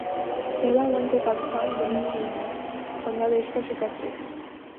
پہلا one day Pakistan women team نے Bangladesh کو شکست دے دی